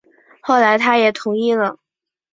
后来他也同意了